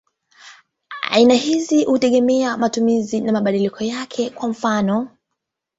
Aina hizi hutegemea matumizi na mabadiliko yake; kwa mfano.